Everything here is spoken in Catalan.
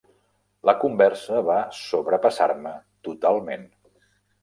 La conversa va sobrepassar-me totalment.